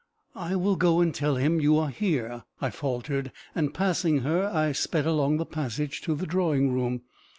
"I will go and tell him you are here," I faltered; and passing her, I sped along the passage to the drawing room.